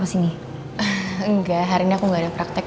bisa saya pinjam pulpen sama kertas